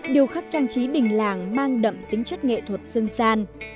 điều khắc trang trí đình làng mang đậm tính chất nghệ thuật dân gian